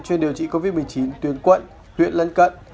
chuyên điều trị covid một mươi chín tuyến quận huyện lân cận